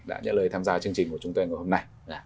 đã nhận lời tham gia chương trình của chúng tôi ngày hôm nay